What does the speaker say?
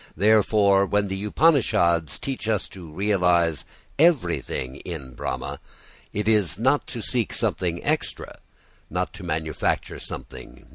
Therefore when the Upanishads teach us to realise everything in Brahma, it is not to seek something extra, not to manufacture something new.